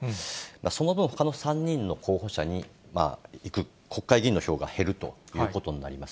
その分、ほかの３人の候補者に行く、国会議員の票が減るということになります。